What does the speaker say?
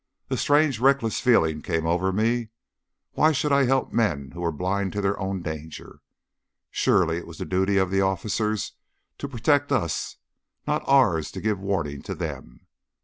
A strange reckless feeling came over me. Why should I help men who were blind to their own danger? Surely it was the duty of the officers to protect us, not ours to give warning to them.